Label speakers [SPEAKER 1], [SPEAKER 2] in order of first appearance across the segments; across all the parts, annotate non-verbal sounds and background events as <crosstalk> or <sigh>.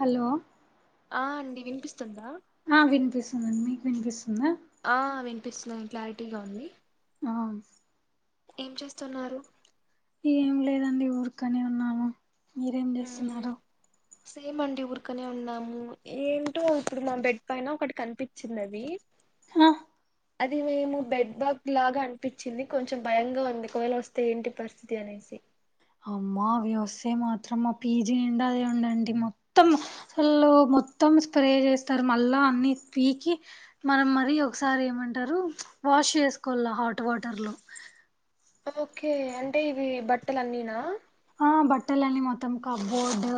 [SPEAKER 1] Hello
[SPEAKER 2] ఆ అండి వినిపిస్తుందా
[SPEAKER 1] ఆ వినిపిస్తుందండి మీకు వినిపిస్తుందా
[SPEAKER 2] ఆ వినిపిస్తుంది క్లారిటీగా ఉంది
[SPEAKER 1] అవున్
[SPEAKER 2] ఏం చేస్తున్నారు
[SPEAKER 1] ఏం లేదండి ఊరుకనే ఉన్నాను మీరేం
[SPEAKER 2] మ్మ్
[SPEAKER 1] జేస్తున్నారు
[SPEAKER 2] సేమ్ అండి ఊరికనే ఉన్నాము ఏంటో ఇప్పుడు మా బెడ్ పైన ఒకటి కనిపించింది అది
[SPEAKER 1] ఆ
[SPEAKER 2] అది మేము బెడ్ బాగ్ లాగా అనిపించింది కొంచెం భయంగా ఉంది ఒకవేళ వస్తే ఏంటి పరిస్థితి అనేసి
[SPEAKER 1] అమ్మా అవి వస్తే మాత్రమ్ మా పీజీ నిండ అదే ఉండేనండి మొత్తం అసలు మొత్తం స్ప్రే జేస్తరు మళ్ళా అన్నీ పీకి మనం మరీ ఒకసారి ఏమంటరు వాష్ చేసుకోవాల హాట్ వాటర్లో
[SPEAKER 2] ఓకే అంటే ఇవి బట్టలన్నీనా
[SPEAKER 1] ఆ బట్టలన్నీ మొత్తం కబోర్డ్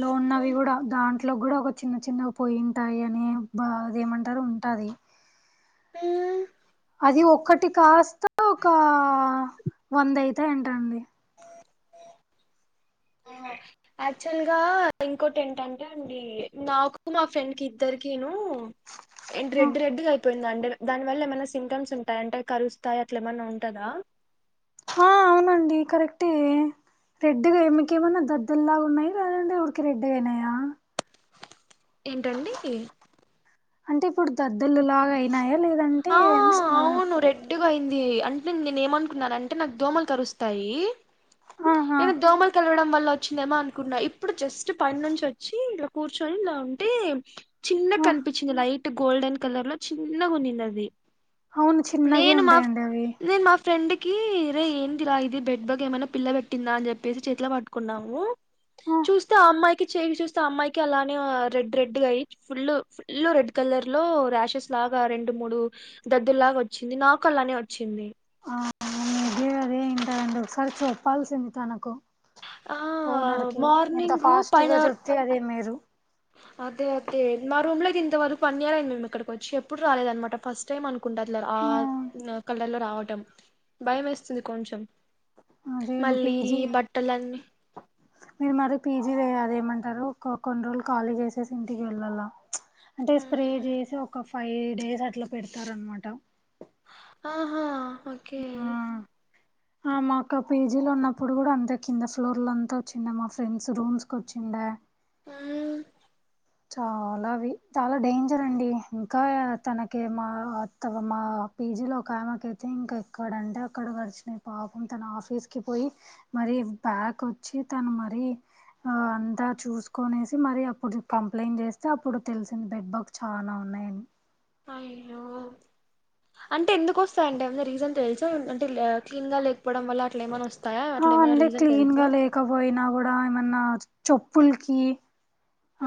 [SPEAKER 1] లో ఉన్నవి గూడా దాం ట్లో గూడా ఒక చిన్న చిన్నగా పోయి ఉంటాయి అనే బా అదేమంటారు ఉంటాది
[SPEAKER 2] ఉమ్
[SPEAKER 1] అది ఒక్కటి కాస్తా ఒక వంద అయితాయంటండి
[SPEAKER 2] ఆ యాక్చువల్ గా ఇంకోటి ఏంటంటే అండి నాకు మా ఫ్రెండ్ కి ఇద్దరికీను ఎంట్ రెడ్ రెడ్గా అయి పోయింది అంటే దాని వల్ల ఏమైనా సిమ్టమ్స్ ఉంటాయి అంటే కరుస్తాయి అట్లా ఏమన్నా ఉంటదా
[SPEAKER 1] హా అవునండి కరెక్టే రెడ్డుగా మీకేమన్నా దద్దురుల్లాగా ఉన్నాయా లేదంటే ఊరికే రెడ్డుగా అయినయా
[SPEAKER 2] ఏంటండీ
[SPEAKER 1] అంటే ఇప్పుడు దద్దులులాగ అయినాయా లేదంటే
[SPEAKER 2] ఆ
[SPEAKER 1] ఆ
[SPEAKER 2] అవును రెడ్డ్ గా అయింది అంటే నేన్ ఏమనుకున్నానంటే నాకు దోమలు కరుస్తాయి
[SPEAKER 1] ఆహా
[SPEAKER 2] ఇది దోమలు కరవడం వల్ల వచ్చిందేమో అను కున్న ఇప్పుడు జస్ట్ పని నుంచి వచ్చి ఇట్లా కూర్చొని ఇలా ఉంటే చిన్నగా
[SPEAKER 1] ఆ
[SPEAKER 2] కనిపించింది లైట్ గోల్డెన్ కలర్ లో చిన్నగా ఉన్నిండది
[SPEAKER 1] అవును చిన్నగే ఉంటాయండి అవి
[SPEAKER 2] నేను మా ఫ్రెండ్ కి ఇరే ఏందిరా ఇది బెడ్ బాగ్ ఏమైనా పిల్ల పెట్టిందా అని చెప్పేసి చేతిలో పట్టుకున్నాము చూస్తే ఆ అమ్మాయికి చెవి చూస్తే అమ్మాయికి అలానే రెడ్ రెడ్గా అయి ఫుల్ ఫుల్ రెడ్ క కలర్ లో ర్యాషెస్ లాగా రెండు మూడు దద్దులాగా వచ్చింది నాకలానే వచ్చింది
[SPEAKER 1] ఫ్రెండ్ ఒకసారి చెప్పాల్సింది తనకు
[SPEAKER 2] ఆ
[SPEAKER 1] ఓనర్కి ఎంత
[SPEAKER 2] మార్నింగ్ పైన
[SPEAKER 1] ఫాస్ట్గా జెప్తే అది మేరు
[SPEAKER 2] అదే అదే మా రూమ్ లో ఇంత వరకు వన్ ఇయర్ అయింది మేము ఇక్కడికి వచ్చి ఎప్పుడు రాలేదు అన్నమాట ఫస్ట్ టైమ్ అనుకుంటా అట్ల ఆ కలర్లో రా వటం భయం యేస్తుంది కొంచెం
[SPEAKER 1] అదేం
[SPEAKER 2] మళ్ళీ
[SPEAKER 1] పీజీయే
[SPEAKER 2] <inaudible>
[SPEAKER 1] మీరు మరి పీజీ వేయి అదేమంటారు కొన్ని రోజులు ఖాళీ జేసేసి ఇంటికి వెళ్ళాలా అంటే స్ప్రే జేసి ఒక ఫైవ్ డేస్ అట్లా పెడతారు అన్నమాట
[SPEAKER 2] ఆహా ఓకే
[SPEAKER 1] ఆ మా అక్క పీజీలో ఉన్నప్పుడు గూడా అంతే కింద ఫ్లోర్లు అంతా వచ్చింది మా ఫ్రెండ్స్ రూమ్స్ కి వచ్చిండే
[SPEAKER 2] మ్మ్
[SPEAKER 1] చాలవి చాలా డేంజర్ అండి ఇంకా తనకి మా అత్త మా పీజీ లో ఒక ఆమకయితే ఇంక ఎక్కడంటే అక్కడ కరిచిన పాపం తన ఆఫీస్ కి పోయి మర్ మరి బ్యాగ వచ్చి తను మరి ఆ అంతా చూసుకోనేసి మరి అప్పుడు కంప్లైంట్ చేస్తే అప్పుడు తెలిసింది బెడ్ బాక్ చాలా ఉన్నాయని
[SPEAKER 2] అయ్యో అంటే ఎందుకు వస్తాయి అంటే ఏమన రీజన్ తెలుసా అంటే క్లీన్ గా లేకపోవడం వల్ల అట్లా ఏమైనా వస్తాయా
[SPEAKER 1] ఆ
[SPEAKER 2] అట్లా ఏమైనా
[SPEAKER 1] అందే
[SPEAKER 2] రీజన్
[SPEAKER 1] క్లీన్
[SPEAKER 2] తెలుసా
[SPEAKER 1] గా లేకపోయినా కూడా ఏమన్నా చప్పల్కి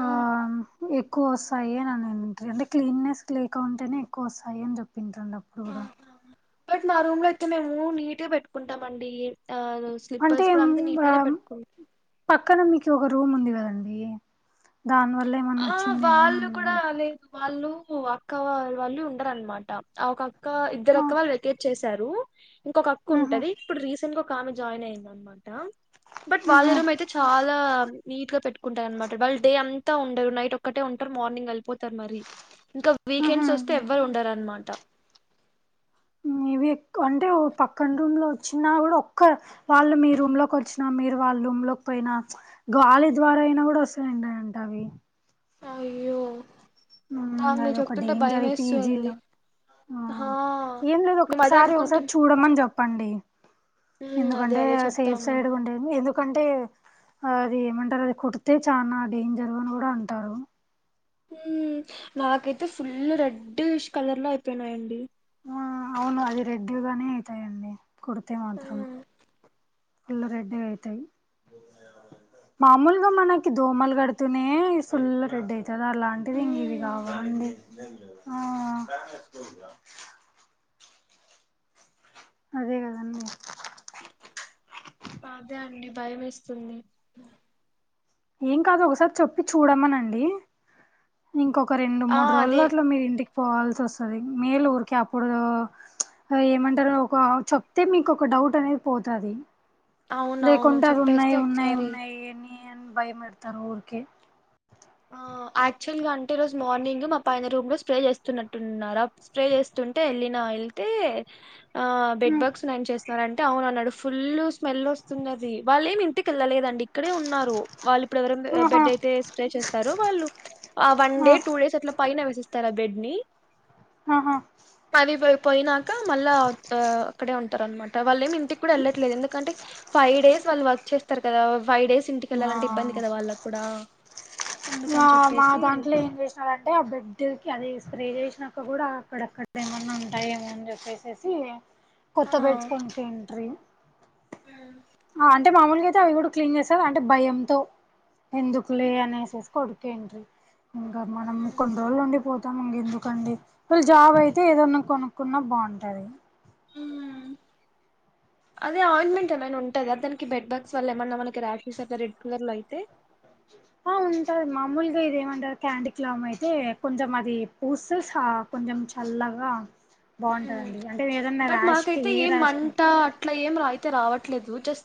[SPEAKER 1] ఆ ఎక్ ఎక్కువ వస్తాయి అని అంటరు అంటే క్లీన్నెస్ లేక ఉంటేనే ఎక్కువ వస్తాయి అని చెప్పింటారండి అప్పుడు కూడా
[SPEAKER 2] ఆహా. బట్ మా రూమ్ లో అయితే మేము నీట్గా పెట్టుకుంటామండి ఆ
[SPEAKER 1] అంటే
[SPEAKER 2] స్లిప్పర్స్ కూడా
[SPEAKER 1] ఉం
[SPEAKER 2] అంత నీట్ గానే
[SPEAKER 1] రాను
[SPEAKER 2] పెట్టుకుం
[SPEAKER 1] పక్కన మీకు ఒక రూమ్ ఉంది కదండి దానివల్ల ఏమన్నా
[SPEAKER 2] ఆ!
[SPEAKER 1] అచ్చిందేమోనని
[SPEAKER 2] వాళ్ళు కూడా
[SPEAKER 1] అనుకో
[SPEAKER 2] లేదు. వాళ్ళు అక్క వా వాళ్ళు ఉండరనమాట ఆ ఒక అక్క ఇద్దరు
[SPEAKER 1] ఆ
[SPEAKER 2] అక్క వాళ్ళు వెకేట్ చేసారు ఇంక ఒక అక్క
[SPEAKER 1] ఆహా
[SPEAKER 2] ఉంటది ఇప్పుడు రీసెంట్ ఒక ఆమె జాయిన్ అయింది అనమాట ట బట్ వాళ్ళ
[SPEAKER 1] ఆహా
[SPEAKER 2] రూమ్ అయితే చాలా నీట్ గా పెట్టుకుంటారు అనమాట వాళ్ళు డే అం త ఉండరు నైట్ ఒక్కటే ఉంటారు మార్నింగ్ వెళ్పోతారు మరి ఇంకా
[SPEAKER 1] ఆహా
[SPEAKER 2] వీకెండ్స్ వస్తే ఎవ్వరు ఉండరు అన్ మా ట
[SPEAKER 1] ఇవిక్ అంటే పక్కన రూమ్ లో వచ్చిన కూడా ఒక్క వాళ్ళు మీ రూమ్ లోకి వచ్చినా మీరు వాళ్ళు మ్ లోక్ పోయినా గాలి ద్వారా అయినా కూడా వస్తాయండి అంట అవి
[SPEAKER 2] అయ్యో
[SPEAKER 1] ఊ
[SPEAKER 2] నాకు మీరు
[SPEAKER 1] అదొక
[SPEAKER 2] చెప్తుంటే
[SPEAKER 1] డేంజర్ ఈ
[SPEAKER 2] భయమేస్తుంది.
[SPEAKER 1] పీజీలో ఆ ఏం లేదు
[SPEAKER 2] మేము అదే
[SPEAKER 1] ఒకసారి ఒకసారి
[SPEAKER 2] అనుకుంటున్
[SPEAKER 1] చూడమని చెప్ ప్పండి
[SPEAKER 2] హ్మ్. అదే
[SPEAKER 1] ఎందుకంటే
[SPEAKER 2] అదే
[SPEAKER 1] సేఫ్
[SPEAKER 2] చెప్తాము.
[SPEAKER 1] సైడ్ ఉండేది ఎందుకంటే అది ఏమంటారు అది కుడితే చానా డేంజరు అని కూడా అంటారు
[SPEAKER 2] నాకైతే ఫుల్ రెడ్డిష్ కలర్ లో అయిపోయినాయండి
[SPEAKER 1] ఆ అవును అది రెడ్డీగానే ఐతాయండి కుడితే మాత్రం ఫుల్లు రెడ్డుగా ఐతాయి మామూలుగా మనకి దోమలు కడుతూనే ఫుల్లు రెడ్ ఐతది అలాంటిది ఇవి కావండి ఆ అదే కదండి
[SPEAKER 2] అదే అండి భయమేస్తుంది
[SPEAKER 1] ఏం కాదు ఒకసారి చెప్పి చూడమనండి ఇంకొ ఒక రెండు
[SPEAKER 2] ఆ
[SPEAKER 1] మూడు రోజుల
[SPEAKER 2] అదే
[SPEAKER 1] అట్ల మీరు ఇంటికి పోవాల్సి వస్తది మీలు ఊరికే అప్పుడు ఏమంటారు ఒక చెప్తే మీకు ఒక డౌట్ అనేది పోతది
[SPEAKER 2] అవునవును
[SPEAKER 1] లేకుంటె అయి
[SPEAKER 2] చెప్పేస్తే
[SPEAKER 1] ఉన్నాయి ఉన్నాయి
[SPEAKER 2] ఒకసారి
[SPEAKER 1] ఉన్నాయి ఏని అని భయమడతరు ఊరికే
[SPEAKER 2] ఆ యాక్చువల్ గా అంటే ఈ రోజు మార్నింగ్ మా పైన రూమ్ లో స్ప్రే చేస్తున్నట్టున్నారు స్ప్రే చేస్తుంటే వెళ్ళిన వెళ్తే ఆ బెడ్ బాక్స్ న ఏం చేస్తున్నరన్ టె అవునన్నడు ఫుల్ స్మెల్ వస్తున్నది వాళ్ళ ఏమి ఇంటికి వెళ్ళలేదం డిక్కడే ఉన్నారు వాళ్ళు ఇప్పుడు ఎవర
[SPEAKER 1] ఆహా
[SPEAKER 2] బెడ్ అయితే స్ప్రే చేస్ సరో వాళ్ళు ఆ వన్ డే టూ డేస్ అట్లా పైన వేసిస్తారు ఆ బెడ్ ని
[SPEAKER 1] ఆహా
[SPEAKER 2] అది పో పోయినాక మళ్ళా ఆ అక్కడే ఉంటారు అనమాట వాళ్ళేమి ఇంటికి కూడా వెళ్ళట్లేదు ఎందుకంటే ఫైవ్ డేస్ వాళ్ళు వర్క్ చేస్తారు కదా ఫైవ్ డేస్ ఇంటికి
[SPEAKER 1] ఆ
[SPEAKER 2] వెళ్ళాలంటే ఇబ్బంది కదా వాళ్ళకు కూడా
[SPEAKER 1] ఆ
[SPEAKER 2] అందుకని
[SPEAKER 1] మా
[SPEAKER 2] చెప్పేసి
[SPEAKER 1] దాంట్లో ఏం చేసినారంటే ఆ బెడ్ క అది స్ప్రే చేసి నాక కూడా అక్కడక్కడ ఏమన్నా ఉంటాఏమో అని చెప్పేసేసి కొత్త బెడ్స్ కొన్పియంట్రీ
[SPEAKER 2] హ
[SPEAKER 1] అంటే మామూలుగా అయితే అవి కూడా క్లీన్ చేస్తారు అంటే భయంతో ఎందుకులే అనేసేసి కొడుతీన్ట్రీ ఇంకా మనం కొన్ని రోజులు ఉండి పోతాము ఇంక ఎందుకండి వాళ్ళు జాబ్ అయితే ఏదన్నా కొనుక్కున్నా ఉన్టది
[SPEAKER 2] ఆ అదే ఆయింట్మెంట్ ఏమైనా ఉంటదా దానికి బెడ్ బ్యాగ్స్ వల్ల ఏమైన్నా మనకి రాషస్ అట్ల రెడ్ కలర్ లో అయితే
[SPEAKER 1] ఆ ఉంటది మామూలుగా ఇదేమంటారు క్యాండీ క్లామ్ అయితే కొంచెం అది పూసస్ సా కొంచెం చల్లగా బాగుంటదండి అంటే ఏదన్నా
[SPEAKER 2] బట్
[SPEAKER 1] ర్యాష్ కి
[SPEAKER 2] మాకైతే
[SPEAKER 1] ఏ
[SPEAKER 2] ఏం
[SPEAKER 1] ర్యాష్ కి
[SPEAKER 2] మంట అట్లా ఏం అయితే రావట్లేదు జస్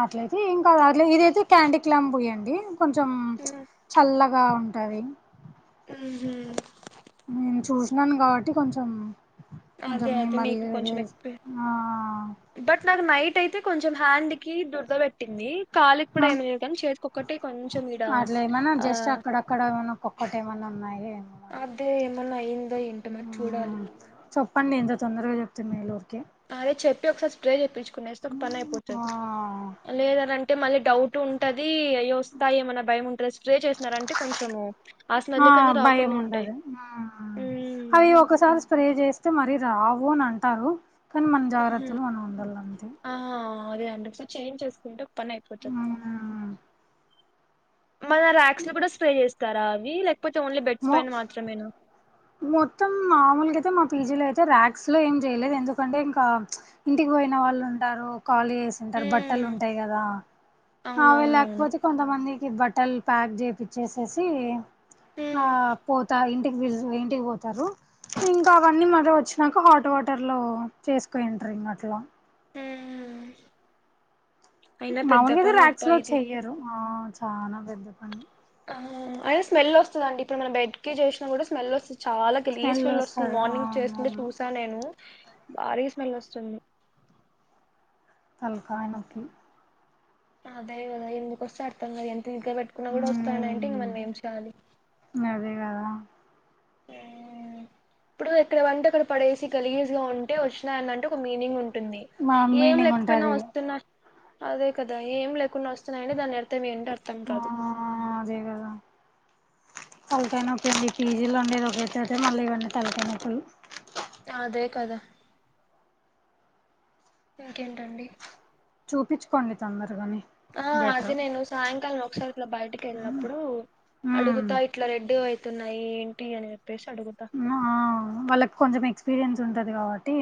[SPEAKER 1] అట్లయితే ఎం కాదు అట్లా ఇదైతే క్యాండీ క్లాం పూయండి కొంచెం
[SPEAKER 2] మ్మ్.
[SPEAKER 1] చల్లగా ఉంటది
[SPEAKER 2] ఉ హు
[SPEAKER 1] న్నాను కాబట్టి కొంచెం కొంచెం
[SPEAKER 2] అదే అదే
[SPEAKER 1] మిమ్మల్ని
[SPEAKER 2] మీకు
[SPEAKER 1] ఇది
[SPEAKER 2] కొంచెం ఎక్స్పీ
[SPEAKER 1] ఆ
[SPEAKER 2] బట్ నాకు నైట్ అయితే కొంచెం హ్యాండ్ కి దురద పెట్టింది కాలికి కూడాఎం లే గాని చేతుకొక్కటే కొంచెం ఇడ
[SPEAKER 1] అట్లా ఏమైనా
[SPEAKER 2] ఆ
[SPEAKER 1] మరే అ మరి
[SPEAKER 2] ల్ అయిందో ఇంట మరి చూడాలి
[SPEAKER 1] పండి ఎంతొందరగా చెప్తున్నా మేలరు
[SPEAKER 2] అదే చెప్పి ఒకసారి స్ప్రే చెప్పంచుకునేస్తే ఒక పని అయిపోతది
[SPEAKER 1] ఆ
[SPEAKER 2] లేదనింటే మళ్ళీ డౌట్ ఉంటది అయ వస్తాయి మన భయం ఉంట్
[SPEAKER 1] ఆ
[SPEAKER 2] స్మెల్ కన్నా
[SPEAKER 1] భయం
[SPEAKER 2] రాకుండా ఉంటాయి
[SPEAKER 1] ఉండదు
[SPEAKER 2] ఉమ్
[SPEAKER 1] అయ్యో ఒక సారి స్ప్రే చేస్తే మరి రావు అని అంటారు కానీ మన
[SPEAKER 2] ఉహు
[SPEAKER 1] జాగ్రత్తలు మనం ఉండాల అంతే
[SPEAKER 2] ఆ అదే అండి సో చేంజ్ చేసుకుంటే పని అయిపోతుంది
[SPEAKER 1] మ్మ్
[SPEAKER 2] మన ర్యాక్స్ ను కూడా స్ప్రే చేస్తారా అవి లేకపోతే ఓన్లీ బెడ్స్
[SPEAKER 1] మొ
[SPEAKER 2] పైన మాత్రమేనా
[SPEAKER 1] మొత్తం మామూలుగా అయితే మా పీజీలో అయితే ర్యాక్స్ లో ఏం చేయలేదు ఎందుకంటే ఇంకా ఇంటికి పోయిన వా కాళ్ళు ఉంటారు కాలు వేసింటారు బట్టలు
[SPEAKER 2] ఉమ్
[SPEAKER 1] ఉంటాయి కదా అవి
[SPEAKER 2] అవునవునవును
[SPEAKER 1] లేకపోతే కొంతమంది ఈ బట్టలు ప్యాక్ చేపిచ్చేసేసి ఆ పోతా ఇంటికిి విజ్ వి పోతారు ఇంకా అవన్నీ మళీ వచ్చినాక హాట్ వాటర్ లో చేసుకోయింటారు ఇం అట్లా
[SPEAKER 2] అయినా పెద్ద
[SPEAKER 1] మామూలుగాఇతే
[SPEAKER 2] పని
[SPEAKER 1] ర్యాక్స్
[SPEAKER 2] అబ్బా
[SPEAKER 1] లో
[SPEAKER 2] ఇది
[SPEAKER 1] చెయ్యారు ఆ చాలా పెద్ద పని
[SPEAKER 2] ఆ అయితే స్మెల్ వస్తుంది అండి ఇప్పుడు మన బెడ్కి చేసినా కూడా స్మెల్ వస్తుంది చాలా గలీజ్ స్మెల్ వస్తుంది
[SPEAKER 1] వస్తది
[SPEAKER 2] మార్నింగ్ చేస్తుంటే
[SPEAKER 1] అవునవును
[SPEAKER 2] చూసా నేను భారీ స్మెల్ వస్తుంది
[SPEAKER 1] తలకాయ నొప్పులు
[SPEAKER 2] ఆ దైవగదా ఎందుకు వస్తే అర్థం కాదు ఎంత ఇంట్లే పెట్టుకున్న కూడా వస్తానంటే ఇంక
[SPEAKER 1] ఉమ్
[SPEAKER 2] మనం ఏం చేయాలి
[SPEAKER 1] అదే కదా
[SPEAKER 2] ఆ ఇప్పుడు ఎక్కడ వెంటే అక్కడ పడేసి గలీజ్ గా ఉంటే వచ్చినాయనంటే ఒక మీనింగ్ ఉన్ ఉంటుంది
[SPEAKER 1] మా
[SPEAKER 2] ఏం
[SPEAKER 1] మీనింగ్
[SPEAKER 2] లేకపోయినా
[SPEAKER 1] ఉంటది
[SPEAKER 2] వస్తున్నా అదే కదా ఏం లేకుండా వస్తున్నాయి అని దాని అర్థం ఏంటా
[SPEAKER 1] ఆ అదే కదా అంతేనా ప్రీతి ఈ పీజీల్లో ఉండేదే ఒక ఎత్తు అయితే మళ్ళీ ఇవన్నీ తలకాయ నొప్పులు
[SPEAKER 2] అదే కదా ఇంకేంటండి
[SPEAKER 1] చూపించుకోండి తొందరగానే
[SPEAKER 2] ఆ అది
[SPEAKER 1] బెటర్
[SPEAKER 2] నేను సాయంకాలం ఒకసారి ఇట్లా బయటికి వెళ్ళినప్పుడు
[SPEAKER 1] ఉమ్
[SPEAKER 2] అడుగుతా ఇట్లా రెడ్ అవుతున్నాయి ఏంటి అని చెప్పేసి అడుగుతా
[SPEAKER 1] ఆ వాళ్ళకి కొంచెం ఎక్స్పీరియన్స్ ఉంటది కాబట్టి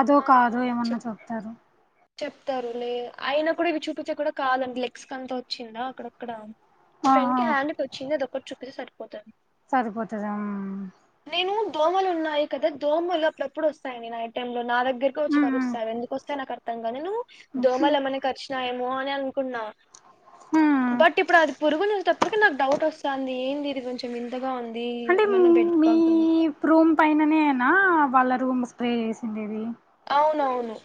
[SPEAKER 1] అదో
[SPEAKER 2] ఆ
[SPEAKER 1] కాదో ఏమన్నా
[SPEAKER 2] చెప్
[SPEAKER 1] చెప్తారు
[SPEAKER 2] చెప్తారు లే అయిన కూడా ఇవి చూపిచ్చేకి కూడా కాదండి లెగ్స్ కు అంతా వచ్చిందా అక్కడక్కడ మా
[SPEAKER 1] ఆ
[SPEAKER 2] ఫ్రెండ్
[SPEAKER 1] ఆ
[SPEAKER 2] కి హ్యాండ్ కి వచ్చింది అదొక్కటి చూపిస్తే సరిపోతుంది
[SPEAKER 1] సరిపోతదా
[SPEAKER 2] నేను దోమలు ఉన్నాయి కదా దోమలు అప్పుడప్పుడు వస్తాయి అండీ నైట్ టైమ్ లో నా దగ్గరకు వచ్చి
[SPEAKER 1] ఉమ్
[SPEAKER 2] కరుస్తాయి అవి ఎందుకోస్తాయో నాకు అర్థం కాని నేను దోమలు ఏమన్నా కరిచినాయేమో అని అనుకున్నా
[SPEAKER 1] ఉమ్
[SPEAKER 2] బట్ ఇప్పుడు అది పురుగునేసేటప్పటికి నాకు డౌట్ వస్తుంది ఏంది ఇది కొంచెం వింతగా ఉంది
[SPEAKER 1] అంటే
[SPEAKER 2] ఏమన్నా బెడ్
[SPEAKER 1] మీ
[SPEAKER 2] బగ్ అని
[SPEAKER 1] రూమ్ పైననే ఆ వాళ్ళ రూమ్ స్ప్రే చేసిండేది
[SPEAKER 2] అవునవును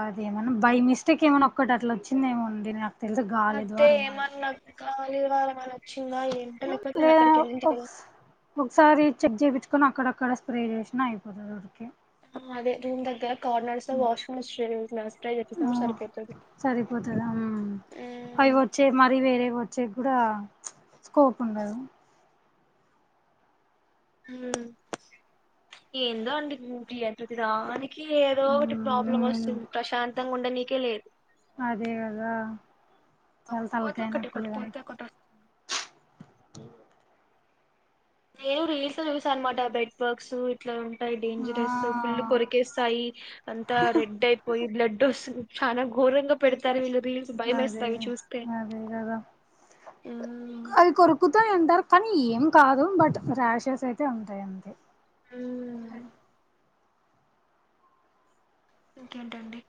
[SPEAKER 1] అది ఏమన్నా బై మిస్టేక్ ఏమన్నా ఒక్కటి అట్లా వచ్చిందేమో అండీ నాక్
[SPEAKER 2] అదే ఏమన్నా గాలి వానలా వలనా వచ్చిందా ఏంట లేకపోతే నేను
[SPEAKER 1] లేదా
[SPEAKER 2] అక్కడికి వెళ్ళింటి
[SPEAKER 1] ఒకస్ ఒకసారి చెక్ చేపిచ్చుకొని అక్కడక్కడ స్ప్రే చేసినా అయిపోతుంది ఊరికే
[SPEAKER 2] అదే రూమ్ దగ్గర corners washing machine must try చెప్పేసాము సరిపోతుంది
[SPEAKER 1] సరిపోతది ఉమ్ అవి వచ్చే మరీ వేరే వచ్చ వచ్చేకి కూడా స్కోప్ ఉండదు
[SPEAKER 2] ఉమ్ ఏందో అండి ఊ ఎంత రా నాకి ఏదో ఒకటి ప్రాబ్లం
[SPEAKER 1] మ్మ్
[SPEAKER 2] వస్తుంది ప్రశాంతంగా ఉండనీకే లేదు
[SPEAKER 1] అదే కదా చాల
[SPEAKER 2] ఒకటి పోతే
[SPEAKER 1] తలకాయి
[SPEAKER 2] ఒకటి
[SPEAKER 1] నొప్పి
[SPEAKER 2] ఒకటి
[SPEAKER 1] గదా
[SPEAKER 2] పోతే ఒకటి వస్తుంది
[SPEAKER 1] హ్మ్
[SPEAKER 2] నేను రీల్స్ చూసా అనమాట బెడ్ బాక్స్ ఇట్లా ఉంటాయి డేంజరస్ ఫుల్
[SPEAKER 1] ఆ
[SPEAKER 2] కొరికేస్తాయి అంతా రెడ్ అయిపోయి బ్లడ్ ఉష్ చాలా ఘోరంగా పెడతారు వీళ్ళు రీల్స్ భయం
[SPEAKER 1] అదే
[SPEAKER 2] వేస్తాయి చూస్తే
[SPEAKER 1] అదే కదా
[SPEAKER 2] మ్మ్
[SPEAKER 1] అది కొరకుతాయి అంటారు కానీ ఏం కాదు బట్ ర్యాషెస్ అయితే ఉంటాయి అంతే
[SPEAKER 2] హ్మ్ ఇంకేంటండి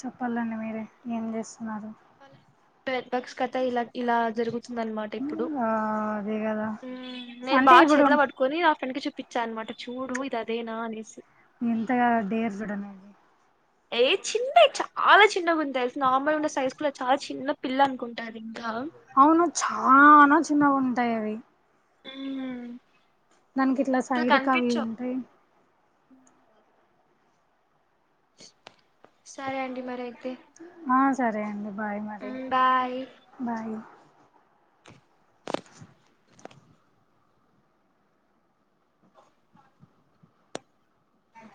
[SPEAKER 1] చెప్పాలండి మీరే ఏం చేస్తున్నారు
[SPEAKER 2] బ్లడ్ బక్స్ కథ ఇలా ఇలా జరుగుతుందనమాట ఇప్పుడు
[SPEAKER 1] ఆ అదే కదా
[SPEAKER 2] హ్మ్ నేను
[SPEAKER 1] అంటే
[SPEAKER 2] బాగా
[SPEAKER 1] ఇప్పుడు
[SPEAKER 2] చేతిలా పట్టుకొని నా ఫ్రెండ్ కి చూపి చూపిచ్చా అనమాట చూడు ఇది అదేనా అనేసి
[SPEAKER 1] ఎంతగానో డేర్ చూడండీ
[SPEAKER 2] ఏయ్ చిన్నవి చాలా చిన్నగా ఉంది తెల్సా నార్మల్గా ఉన్న సైజ్ స్కూల్ చాలా చిన్న పిల్ల అనుకుంటారు ఇంకా
[SPEAKER 1] అవును చానా చిన్నగుంటాయి అవి
[SPEAKER 2] హ్మ్
[SPEAKER 1] దననికి ఇట్లా సైడ్ ఎంట్రీ.
[SPEAKER 2] ఉ సరే అండి మరి.
[SPEAKER 1] ఆ సరే అండి బాయ్ మరి
[SPEAKER 2] బాయ్
[SPEAKER 1] బాయ్.
[SPEAKER 2] అ